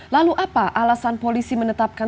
lalu apa alasan polisi menetapkan